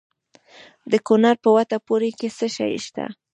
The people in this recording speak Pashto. د کونړ په وټه پور کې څه شی شته؟